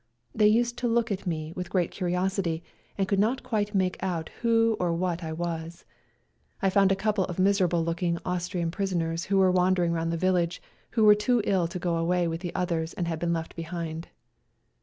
They used to look at me with great curiosity, and could not quite make out who or what I was. I found a couple of miserable looking Austrian prisoners who were wandering round the village, who were too ill to go away with the others and had been left behind.